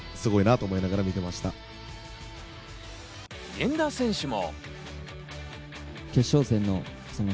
源田選手も。